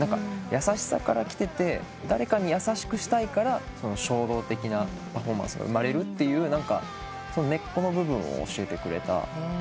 優しさからきてて誰かに優しくしたいから衝動的なパフォーマンスが生まれるという根っこの部分を教えてくれたバンド。